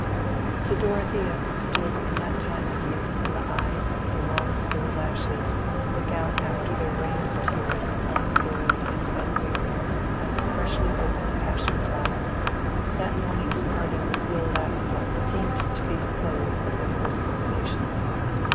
To Dorothea, still in that time of youth when the eyes with their long full lashes look out after their rain of tears unsoiled and unwearied as a freshly opened passion flower, that morning's parting with Will Ladislaw seemed to be the close of their personal relations.